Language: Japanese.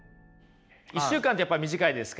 １週間ってやっぱ短いですか？